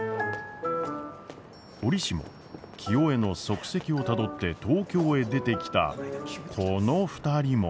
折しも清恵の足跡をたどって東京へ出てきたこの２人も。